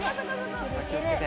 気をつけて。